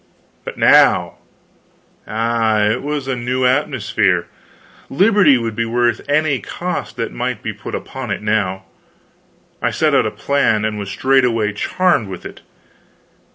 But now ah, it was a new atmosphere! Liberty would be worth any cost that might be put upon it now. I set about a plan, and was straightway charmed with it.